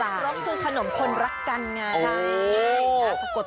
รสคือขนมคนรักกันไง